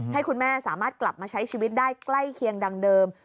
ให้คุณแม่สามารถกลับมาใช้ชีวิตได้ใกล้เคียงดังเดิม